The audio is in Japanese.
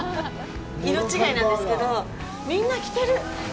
色違いなんですけど、みんな着てる。